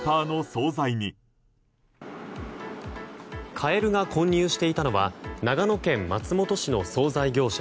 カエルが混入していたのは長野県松本市の総菜業者